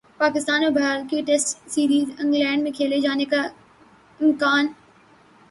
پاکستان اور بھارت کی test series England میں کھیلے جانے کا امکان